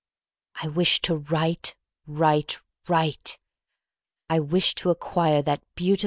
I wish to write, write, write! I wish to acquire that beautiful.